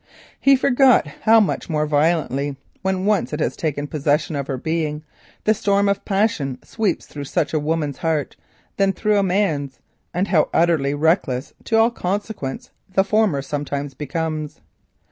He forgot how much more violently, when once it has taken possession of his being, the storm of passion sweeps through such a woman's heart than through a man's, and how utterly reckless to all consequence the former sometimes becomes.